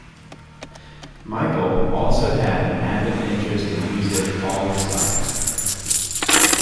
Mykle also had an avid interest in music all his life.